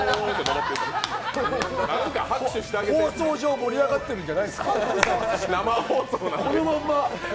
放送上、盛り上がってるんじゃないですか。